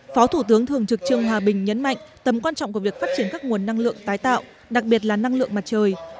phó thủ tướng thường trực trương hòa bình nhấn mạnh tầm quan trọng của việc phát triển các nguồn năng lượng tái tạo đặc biệt là năng lượng mặt trời